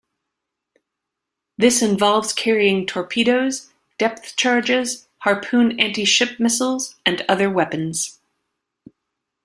This involves carrying torpedoes, depth charges, Harpoon anti-ship missiles, and other weapons.